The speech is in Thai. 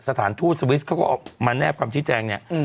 สถานทูตสวิสเขาก็ออกมาแนบคำชี้แจงเนี่ย